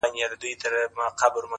تازه هوا!.